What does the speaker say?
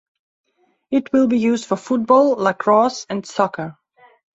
It will be used for football, lacrosse and soccer.